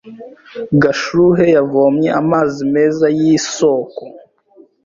Gashuhe yavomye amazi meza yisoko.